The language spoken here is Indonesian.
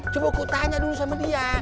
coba kutanya dulu sama dia